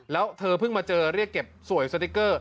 แล้วเธอเพิ่งมาเจอเรียกเก็บสวยสติ๊กเกอร์